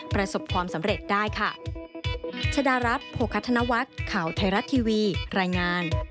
ประสบความสำเร็จได้ค่ะ